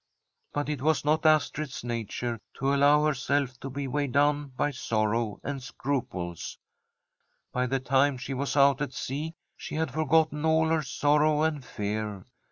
' But it was not Astrid's nature to allow herself Frm a SIFEDISH HOMESTEAD to be weighed down by sorrow and scruples. By the time she was out at sea she had forgotten all her sorrow and fear.